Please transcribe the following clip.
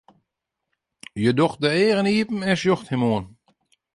Hja docht de eagen iepen en sjocht him oan.